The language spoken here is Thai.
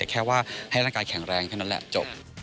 แค่ว่าให้ร่างกายแข็งแรงแค่นั้นแหละจบ